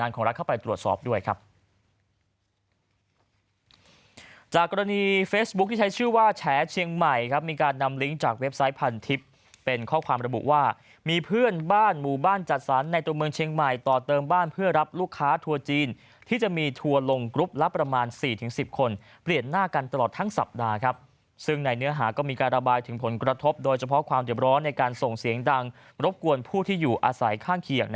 ความระบุว่ามีเพื่อนบ้านหมู่บ้านจัดสรรในตัวเมืองเชียงใหม่ต่อเติมบ้านเพื่อรับลูกค้าทัวร์จีนที่จะมีทัวร์ลงกรุ๊ปลับประมาณสี่ถึงสิบคนเปลี่ยนหน้ากันตลอดทั้งสัปดาห์ครับซึ่งในเนื้อหาก็มีการระบายถึงผลกระทบโดยเฉพาะความเจ็บร้อนในการส่งเสียงดังรบกวนผู้ที่อยู่อาศัยข้างเคียง